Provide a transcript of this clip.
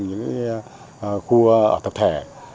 những khu tập thể